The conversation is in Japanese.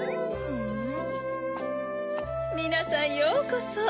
みなさんようこそ。